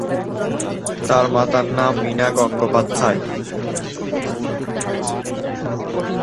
তাঁর মাতার নাম মীনা গঙ্গোপাধ্যায়।